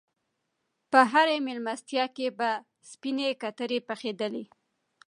په هره میلمستیا کې به سپینې کترې پخېدلې.